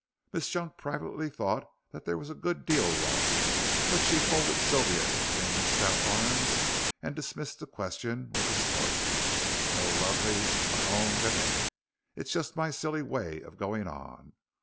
Miss Junk privately thought there was a good deal wrong, but she folded Sylvia in her stout arms and dismissed the question with a snort. "No, lovey, my own, there ain't. It's just my silly way of going on.